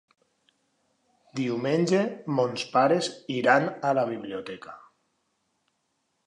Diumenge mons pares iran a la biblioteca.